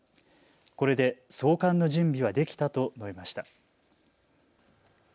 これで送還の準備はできたと述べました。